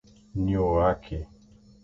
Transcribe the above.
Nioaque